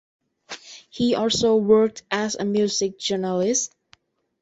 He also worked as a music journalist.